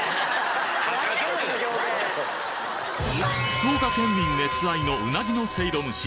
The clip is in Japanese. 福岡県民熱愛のうなぎのせいろ蒸し。